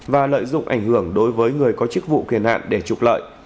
và lợi dụng ảnh hưởng đối với người có chức vụ quyền hạn để trục lợi